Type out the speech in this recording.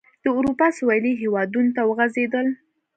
د اروپا سوېلي هېوادونو ته وغځېدل.